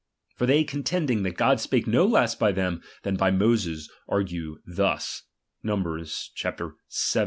For they con ^H tending, that God spake no less by them than by ^H Moses, argue thus, (Numbers xvi.